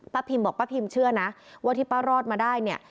พิมบอกป้าพิมเชื่อนะว่าที่ป้ารอดมาได้เนี่ย